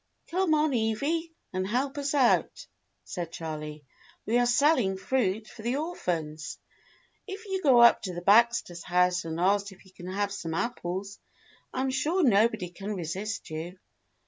"Come on, Evvy, and help us out," said Charley. "We are selling fruit for the orphans. If you go up to the Baxters' house and ask if you can have some ap ples, I'm sure nobody can resist you."